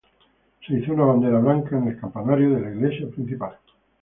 Se izó una bandera blanca en el campanario de la Iglesia principal.